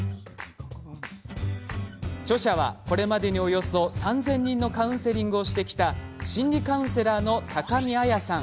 著者は、これまでにおよそ３０００人のカウンセリングをしてきた心理カウンセラーの高見綾さん。